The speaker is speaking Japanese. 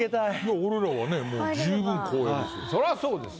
俺らはねもう十分光栄ですよ。